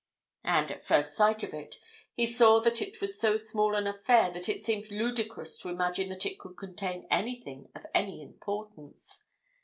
And at first sight of it, he saw that it was so small an affair that it seemed ludicrous to imagine that it could contain anything of any importance.